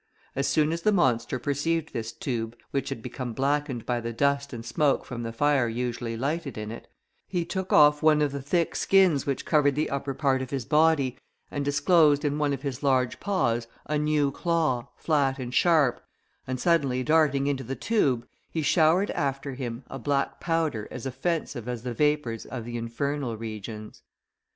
As soon as the monster perceived this tube, which had become blackened by the dust and smoke from the fire usually lighted in it, he took off one of the thick skins which covered the upper part of his body, and disclosed in one of his large paws, a new claw, flat and sharp, and suddenly darting into the tube, he showered after him, a black powder as offensive as the vapours of the infernal regions.